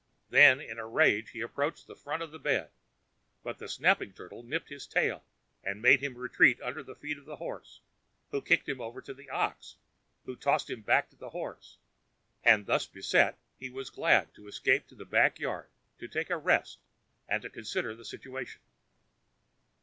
Then in a rage he approached the front of the bed, but the snapping turtle nipped his tail, and made him retreat under the feet of the horse, who kicked him over to the ox, who tossed him back to the horse; and thus beset, he was glad to escape to the back yard to take a rest, and to consider the situation.